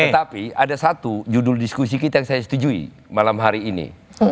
tetapi ada satu judul diskusi kita yang saya setujui malam hari ini